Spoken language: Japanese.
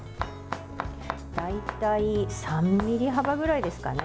大体３ｍｍ幅ぐらいですかね。